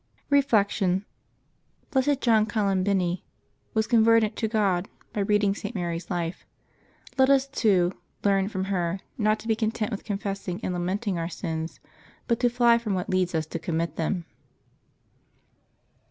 Reflection. — Blessed John Colombini was converted to God by reading St. Mary's life. Let us, too, learn from her not to be content with confessing and lamenting our sins, but to fly from what leads us to commit them.